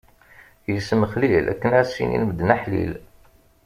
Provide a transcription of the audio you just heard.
Ismexlil akken ad s-inin medden: aḥlil!